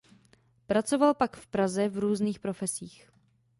Pracoval pak v Praze v různých profesích.